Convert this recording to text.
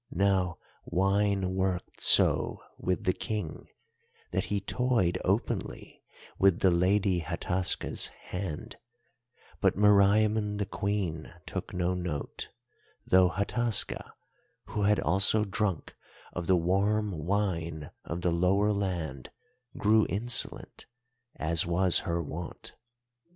Now wine worked so with the King that he toyed openly with the lady Hataska's hand, but Meriamun the Queen took no note, though Hataska, who had also drunk of the warm wine of the Lower Land, grew insolent, as was her wont.